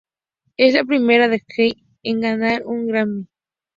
Es la primera deejay en ganar un Grammy.